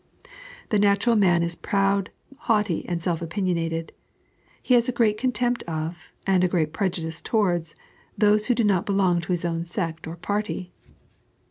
The natural man is proud, haughty, and self opinionated. He has a great contempt of, and a great prejudice towards, those who do not belong to his own sect or party.